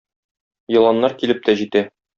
Еланнар килеп тә җитә.